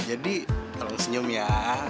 jadi tolong senyum ya